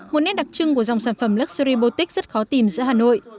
một nét đặc trưng của dòng sản phẩm luxury botech rất khó tìm giữa hà nội